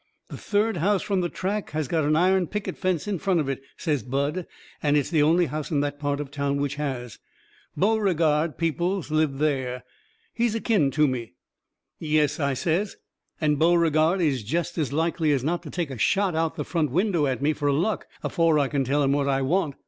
"The third house from the track has got an iron picket fence in front of it," says Bud, "and it's the only house in that part of town which has. Beauregard Peoples lives there. He is kin to me." "Yes," I says, "and Beauregard is jest as likely as not going to take a shot out of the front window at me, fur luck, afore I can tell him what I want.